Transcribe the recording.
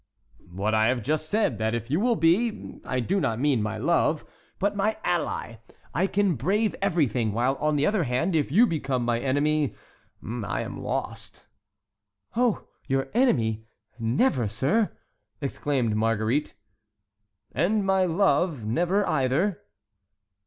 "What I have just said, that if you will be—I do not mean my love—but my ally, I can brave everything; while, on the other hand, if you become my enemy, I am lost." "Oh, your enemy!—never, sir!" exclaimed Marguerite. "And my love—never either?"